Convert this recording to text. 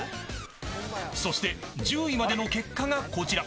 そして１０位までの結果がこちら。